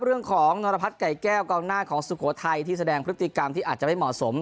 เรื่องของนรพัฒน์ไก่แก้วกองหน้าของสุโขทัยที่แสดงพฤติกรรมที่อาจจะไม่เหมาะสม